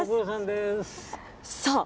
さあ、